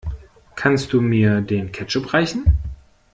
Kannst du mir den Ketchup reichen?